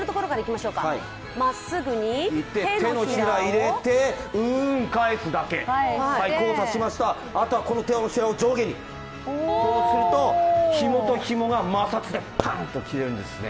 手のひらを入れて返すだけ、交差しました、あとはこの手のひらを上下にそうすると、ひもとひもが摩擦でパーンと切れるんですね。